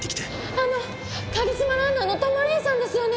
あのカリスマランナーの戸間漣さんですよね？